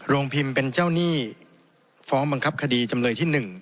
พิมพ์เป็นเจ้าหนี้ฟ้องบังคับคดีจำเลยที่๑